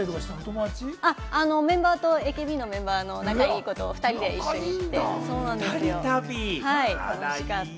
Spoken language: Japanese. メンバーと、ＡＫＢのメンバーの仲いい子と２人で一緒に行きました。